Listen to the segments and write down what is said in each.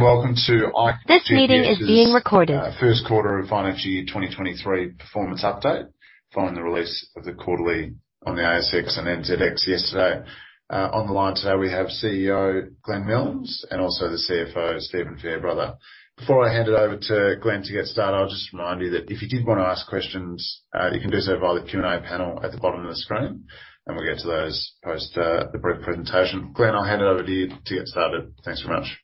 Welcome to ikeGPS's first quarter of financial year 2023 performance update following the release of the quarterly on the ASX and NZX yesterday. On the line today we have CEO Glenn Milnes and also the CFO, Stephen Fairbrother. Before I hand it over to Glenn to get started, I'll just remind you that if you did wanna ask questions, you can do so via the Q&A panel at the bottom of the screen, and we'll get to those post the brief presentation. Glenn, I'll hand it over to you to get started. Thanks very much.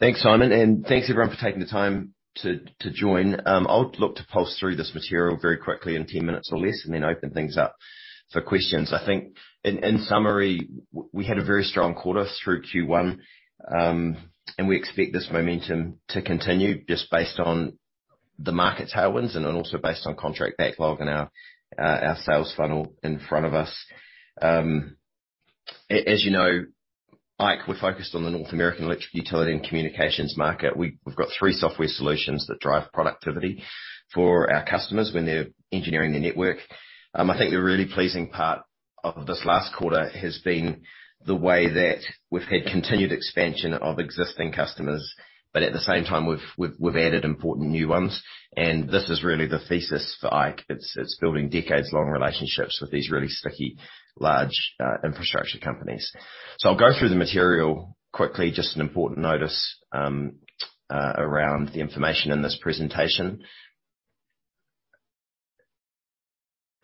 Thanks, Simon, and thanks everyone for taking the time to join. I'll look to plow through this material very quickly in 10 minutes or less, and then open things up for questions. I think in summary, we had a very strong quarter through Q1, and we expect this momentum to continue just based on the market tailwinds and also based on contract backlog and our sales funnel in front of us. As you know, Ike, we're focused on the North American electric utility and communications market. We've got three software solutions that drive productivity for our customers when they're engineering their network. I think the really pleasing part of this last quarter has been the way that we've had continued expansion of existing customers, but at the same time, we've added important new ones. This is really the thesis for ikeGPS. It's building decades-long relationships with these really sticky, large infrastructure companies. I'll go through the material quickly. Just an important notice around the information in this presentation.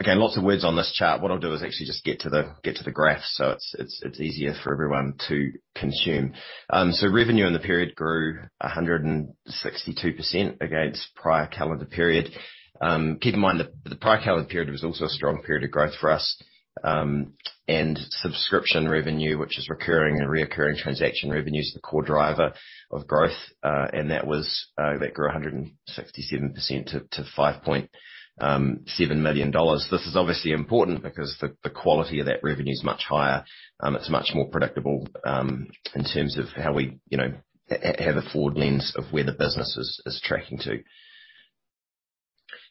Okay, lots of words on this chart. What I'll do is actually just get to the graphs so it's easier for everyone to consume. Revenue in the period grew 162% against prior calendar period. Keep in mind the prior calendar period was also a strong period of growth for us. Subscription revenue, which is recurring and reoccurring transaction revenue, is the core driver of growth, and that grew 167% to $5.7 million. This is obviously important because the quality of that revenue is much higher. It's much more predictable, in terms of how we, you know, have a forward lens of where the business is tracking to.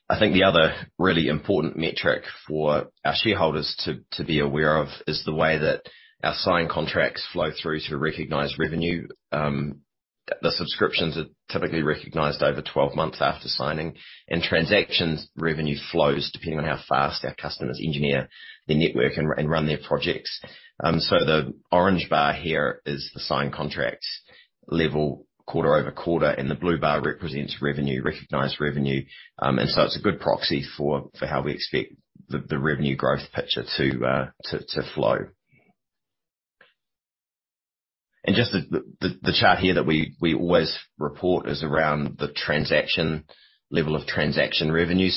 I think the other really important metric for our shareholders to be aware of is the way that our signed contracts flow through to recognized revenue. The subscriptions are typically recognized over 12 months after signing. Transactions revenue flows depending on how fast our customers engineer their network and run their projects. The orange bar here is the signed contracts level quarter-over-quarter, and the blue bar represents revenue, recognized revenue. It's a good proxy for how we expect the revenue growth picture to flow. Just the chart here that we always report is around the transaction level of transaction revenue.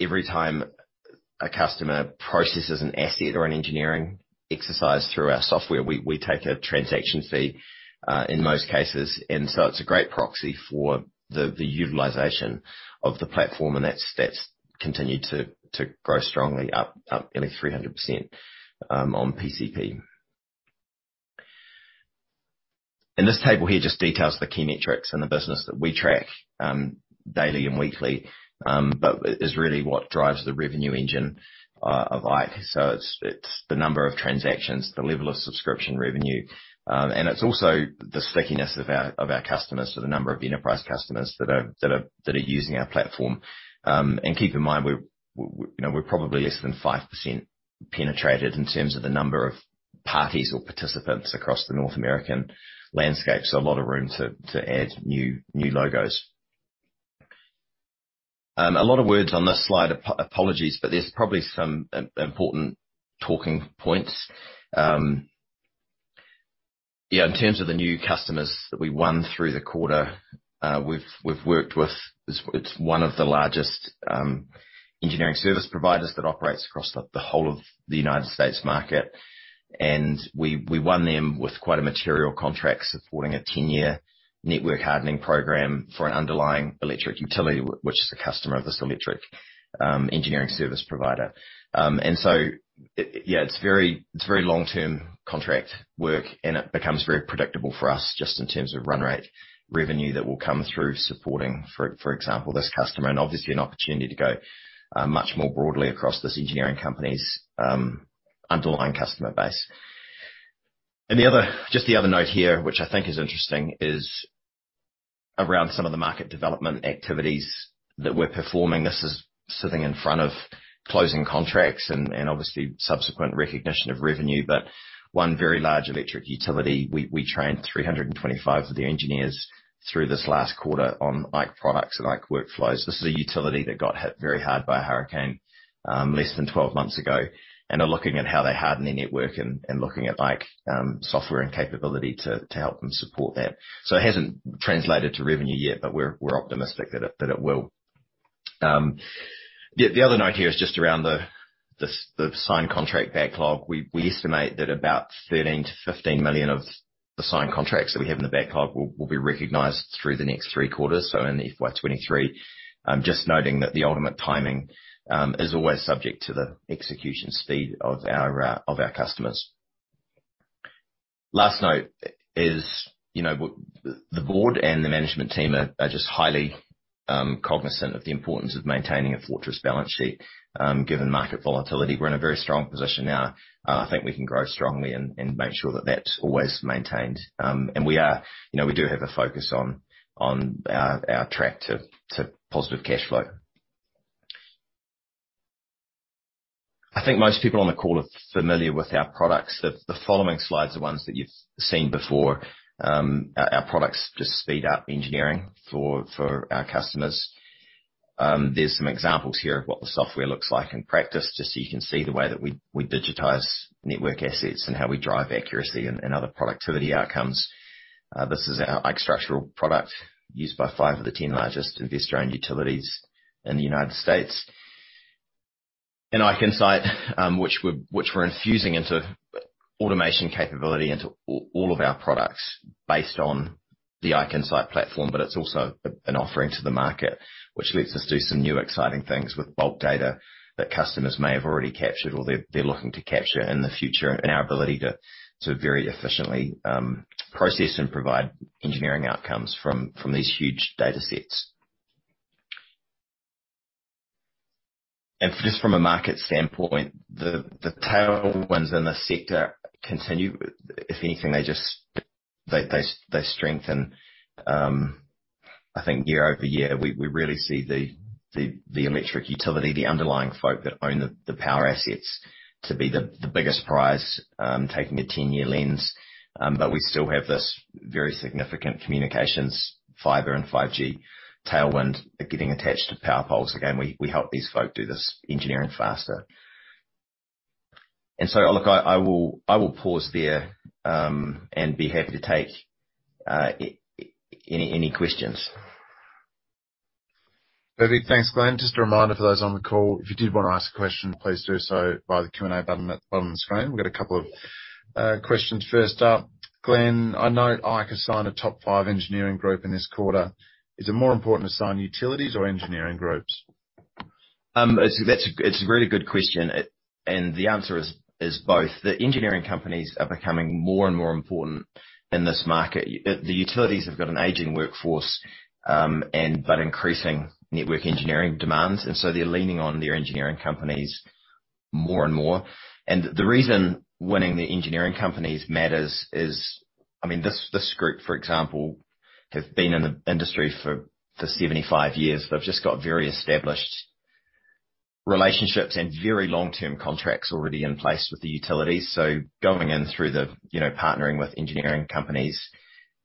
Every time a customer processes an asset or an engineering exercise through our software, we take a transaction fee in most cases. It's a great proxy for the utilization of the platform. That's continued to grow strongly up nearly 300% on PCP. This table here just details the key metrics in the business that we track daily and weekly. But it is really what drives the revenue engine of ikeGPS. It's the number of transactions, the level of subscription revenue, and it's also the stickiness of our customers. The number of enterprise customers that are using our platform. Keep in mind, we're, you know, we're probably less than 5% penetrated in terms of the number of parties or participants across the North American landscape. A lot of room to add new logos. A lot of words on this slide. Apologies, but there's probably some important talking points. In terms of the new customers that we won through the quarter, we've worked with. It's one of the largest engineering service providers that operates across the whole of the United States market. We won them with quite a material contract supporting a 10-year network hardening program for an underlying electric utility, which is a customer of this electric engineering service provider. It's very long-term contract work, and it becomes very predictable for us just in terms of run rate revenue that will come through supporting, for example, this customer. It's obviously an opportunity to go much more broadly across this engineering company's underlying customer base. The other note here, which I think is interesting, is around some of the market development activities that we're performing. This is sitting in front of closing contracts and obviously subsequent recognition of revenue. One very large electric utility, we trained 325 of their engineers through this last quarter on Ike products and Ike workflows. This is a utility that got hit very hard by a hurricane, less than 12 months ago, and are looking at how they harden their network and looking at Ike software and capability to help them support that. It hasn't translated to revenue yet, but we're optimistic that it will. The other note here is just around the signed contract backlog. We estimate that about $13 million-$15 million of the signed contracts that we have in the backlog will be recognized through the next three quarters, so in FY 2023. Just noting that the ultimate timing is always subject to the execution speed of our customers. Last note is, you know, The Board and the management team are just highly cognizant of the importance of maintaining a fortress balance sheet, given market volatility. We're in a very strong position now. I think we can grow strongly and make sure that that's always maintained. You know, we do have a focus on our track to positive cash flow. I think most people on the call are familiar with our products. The following slides are ones that you've seen before. Our products just speed up engineering for our customers. There's some examples here of what the software looks like in practice, just so you can see the way that we digitize network assets and how we drive accuracy and other productivity outcomes. This is our IKE structural product used by five of the ten largest investor-owned utilities in the United States. IKE Insight, which we're infusing into automation capability into all of our products based on the IKE Insight platform, but it's also an offering to the market, which lets us do some new exciting things with bulk data that customers may have already captured or they're looking to capture in the future, and our ability to very efficiently process and provide engineering outcomes from these huge datasets. Just from a market standpoint, the tailwinds in the sector continue. If anything, they just strengthen, I think year-over-year. We really see the electric utility, the underlying folks that own the power assets to be the biggest prize, taking a 10-year lens. We still have this very significant communications fiber and 5G tailwind getting attached to power poles. Again, we help these folks do this engineering faster. Look, I will pause there and be happy to take any questions. Perfect. Thanks, Glenn. Just a reminder for those on the call, if you did wanna ask a question, please do so by the Q&A button at the bottom of the screen. We've got a couple of questions. First up, Glenn, I note ikeGPS signed a top five engineering group in this quarter. Is it more important to sign utilities or engineering groups? That's a really good question. The answer is both. The engineering companies are becoming more and more important in this market. The utilities have got an aging workforce, but increasing network engineering demands, and so they're leaning on their engineering companies more and more. The reason winning the engineering companies matters is I mean, this group, for example, have been in the industry for 75 years. They've just got very established relationships and very long-term contracts already in place with the utilities. Going in through the, you know, partnering with engineering companies,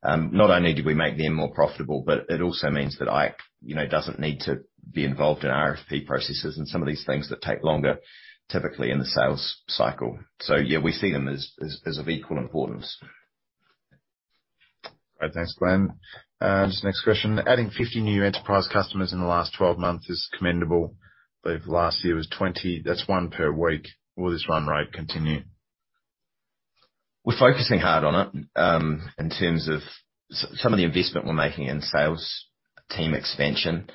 not only do we make them more profitable, but it also means that ikeGPS, you know, doesn't need to be involved in RFP processes and some of these things that take longer typically in the sales cycle. Yeah, we see them as of equal importance. All right. Thanks, Glenn. Just the next question. Adding 50 new enterprise customers in the last 12 months is commendable. Believe last year was 20. That's one per week. Will this run rate continue? We're focusing hard on it, in terms of some of the investment we're making in sales team expansion.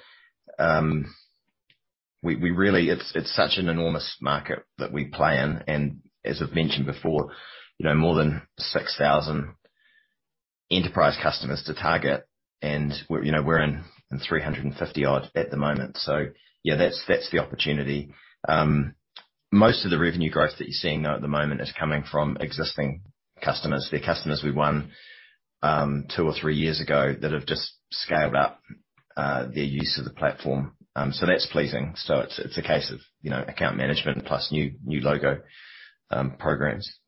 It's such an enormous market that we play in, and as I've mentioned before, you know, more than 6,000 enterprise customers to target. We're, you know, we're in 350 odd at the moment. Yeah, that's the opportunity. Most of the revenue growth that you're seeing, though, at the moment is coming from existing customers. They're customers we won two or three years ago that have just scaled up their use of the platform. That's pleasing. It's a case of, you know, account management plus new logo programs.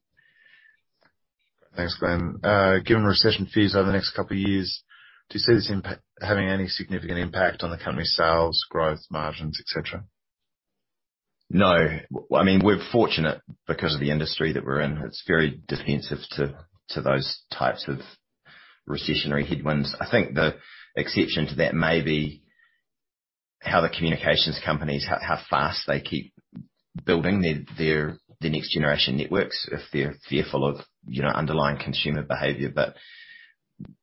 Thanks, Glenn. Given recession fears over the next couple of years, do you see this having any significant impact on the company's sales, growth, margins, et cetera? I mean, we're fortunate because of the industry that we're in. It's very defensive to those types of recessionary headwinds. I think the exception to that may be how the communications companies, how fast they keep building their next generation networks if they're fearful of, you know, underlying consumer behavior.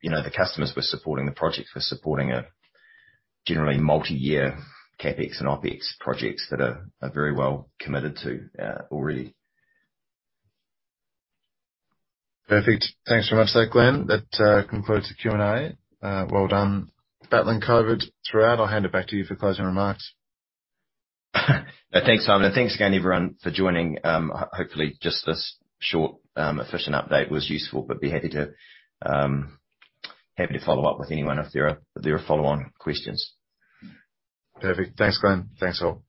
You know, the customers we're supporting, the projects we're supporting are generally multi-year CapEx and OpEx projects that are very well committed to already. Perfect. Thanks very much there, Glenn. That concludes the Q&A. Well done battling COVID throughout. I'll hand it back to you for closing remarks. Thanks, Simon, and thanks again, everyone, for joining. Hopefully, just this short, efficient update was useful. Be happy to follow up with anyone if there are follow-on questions. Perfect. Thanks, Glenn. Thanks, all.